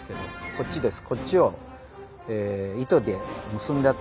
こっちです。